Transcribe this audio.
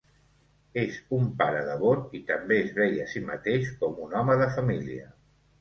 És un pare devot i també es veia a sí mateix com un home de família.